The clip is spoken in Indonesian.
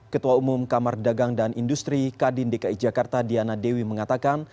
ketua umum kamar dagang dan industri kadin dki jakarta diana dewi mengatakan